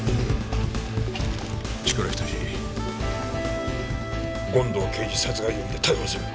千倉仁権藤刑事殺害容疑で逮捕する！